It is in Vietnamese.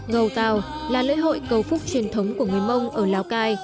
gầu tàu là lễ hội cầu phúc truyền thống của người mông ở lào cai